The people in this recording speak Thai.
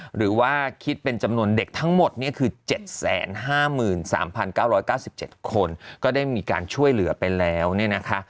หรือว่าคิดเป็นจำนวนเด็กทั้งหมดเนี่ยคือ๗๕๓๙๙๗คนก็ได้มีการช่วยเหลือไปแล้วเนี่ยนะคะ